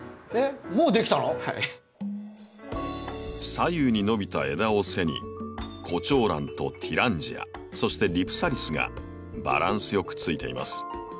左右に伸びた枝を背にコチョウランとティランジアそしてリプサリスがバランス良くついています。